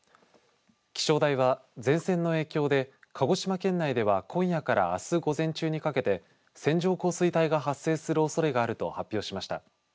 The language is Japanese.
気象台は前線の影響で鹿児島県内では今夜からあす午前中にかけて線状降水帯が発生するおそれがあると発表しました。